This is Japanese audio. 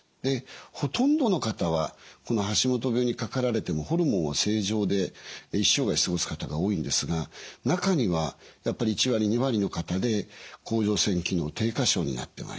ほとんどの方はこの橋本病にかかられてもホルモンは正常で一生涯過ごす方が多いんですが中にはやっぱり１割２割の方で甲状腺機能低下症になってまいります。